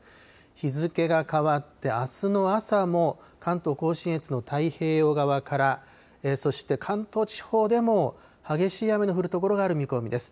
日付が変わって、あすの朝も関東甲信越の太平洋側から、そして関東地方でも激しい雨の降る所がある見込みです。